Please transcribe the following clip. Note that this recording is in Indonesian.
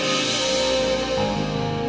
jangan lupa untuk mencoba